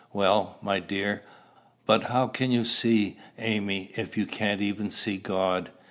"Well, my dear, but how can you see Amy if you can't even see God?